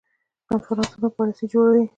کنفرانسونه پالیسي جوړوي